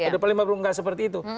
depan lima puluh ribu nggak seperti itu